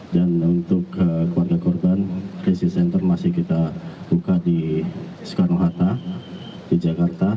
dan untuk keluarga korban resi center masih kita buka di sekarohata di jakarta